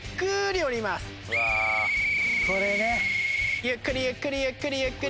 ゆっくりゆっくりゆっくりゆっくり。